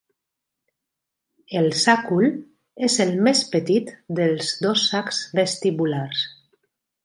El sàcul és el més petit dels dos sacs vestibulars.